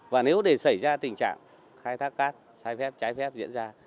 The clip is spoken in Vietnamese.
và nếu để xảy ra tình trạng khai thác cát cháy phép cháy phép diễn ra